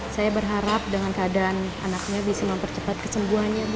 saya berharap dengan keadaan anaknya bisa mempercepat kecembuhannya bu